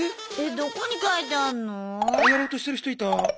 どこに書いてあんの？